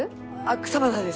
草花です。